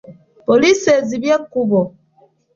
Poliisi ezibye ekkubo.